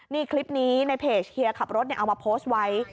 นี่คลิปนี้ในเพจเฮียขับรถเอามาโพสต์ไว้